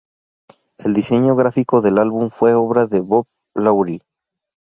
El diseño gráfico del álbum fue obra de Bob Lawrie.